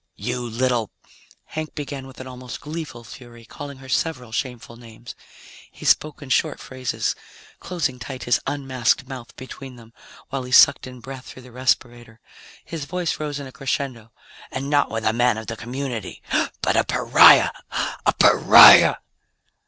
"You little " Hank began with an almost gleeful fury, calling her several shameful names. He spoke in short phrases, closing tight his unmasked mouth between them while he sucked in breath through the respirator. His voice rose in a crescendo. "And not with a man of the community, but a pariah! _A pariah!